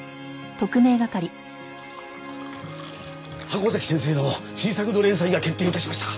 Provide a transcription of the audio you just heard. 箱崎先生の新作の連載が決定いたしました。